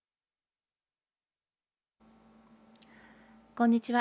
こんにちは。